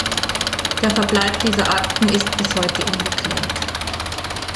Der Verbleib dieser Akten ist bis heute ungeklärt.